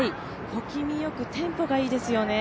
小気味よくテンポがあいですよね。